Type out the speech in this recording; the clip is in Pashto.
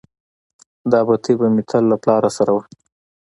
دا بتۍ به مې تل له پلار سره وه.